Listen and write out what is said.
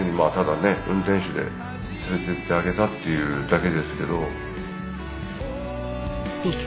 運転手で連れてってあげたっていうだけですけど。